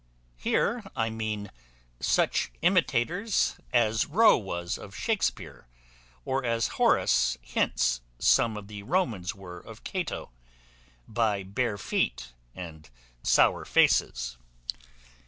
Here I mean such imitators as Rowe was of Shakespear, or as Horace hints some of the Romans were of Cato, by bare feet and sour faces.